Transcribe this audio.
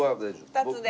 ２つで。